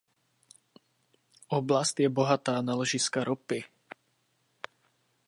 Oblast je bohatá na ložiska ropy.